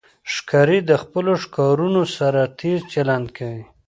ښکاري د خپلو ښکارونو سره تیز چلند کوي.